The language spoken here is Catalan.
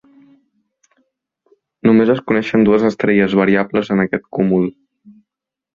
Només es coneixen dues estrelles variables en aquest cúmul.